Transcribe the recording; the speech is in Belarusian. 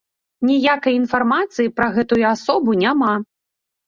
Ніякай інфармацыі пра гэтую асобу няма.